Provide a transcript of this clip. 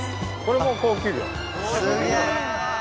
これも高級魚。